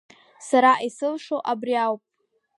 Сара исылшо абри ауп…